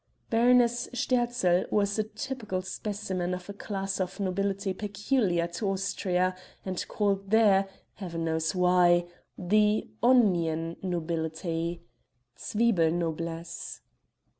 Baroness Sterzl was a typical specimen of a class of nobility peculiar to Austria, and called there, Heaven knows why, "the onion nobility" (zwiebelnoblesse).